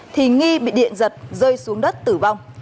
thì nghi bị điện giật rơi xuống đất tử vong